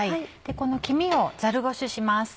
この黄身をザルごしします。